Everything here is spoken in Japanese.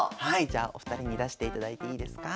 じゃあお二人に出していただいていいですか？